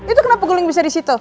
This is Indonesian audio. itu kenapa guling bisa di situ